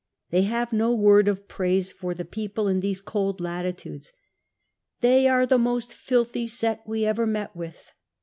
They have no word of praise for the people in these cold latitudes : They are the most filthy set we ever met wdth."